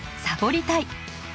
サボりたい！